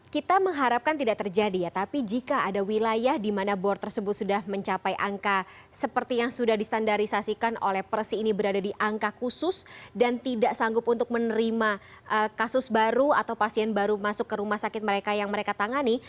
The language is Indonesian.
kita mengharapkan tidak terjadi ya tapi jika ada wilayah di mana bor tersebut sudah mencapai angka seperti yang sudah distandarisasikan oleh persi ini berada di angka khusus dan tidak sanggup untuk menerima kasus baru atau pasien baru masuk ke rumah sakit mereka yang mereka tangani